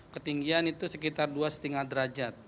ketinggian itu sekitar dua lima derajat